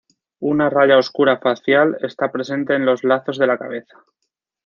Una raya oscura facial está presente en los lados de la cabeza.